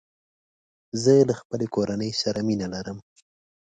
زه له خپلې کورني سره مینه لرم.